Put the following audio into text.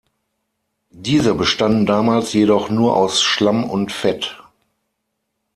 Diese bestanden damals jedoch nur aus Schlamm und Fett.